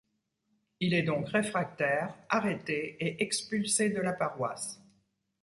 Il est donc réfractaire, arrêté et expulsé de la paroisse.